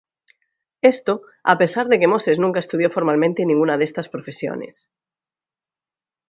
Esto, a pesar de que Moses nunca estudió formalmente ninguna de estas profesiones.